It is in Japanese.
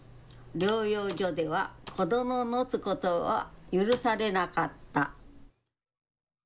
療養所では子どもを持つことは許されなかった。